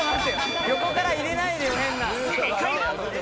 正解は。